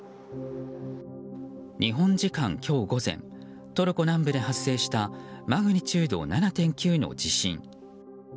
日本時間今日午前トルコ南部で発生したマグニチュード７．９の地震。